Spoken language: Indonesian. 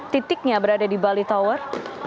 titiknya berada di bali tower